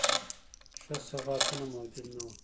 ښه سوغاتونه موجود نه وه.